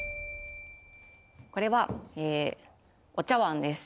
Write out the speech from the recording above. これはお茶碗です。